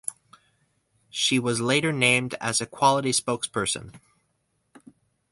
She was later named as Equality Spokesperson.